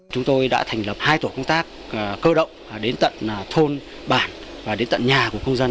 chúng tôi đã thành lập hai tổ công tác cơ động đến tận thôn bản và đến tận nhà của công dân